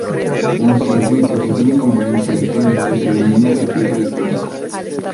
Un circuito que tiene componentes electrónicos se denomina circuito electrónico.